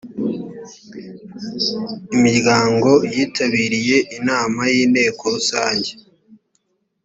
imiryango yitabiriye inama y inteko rusange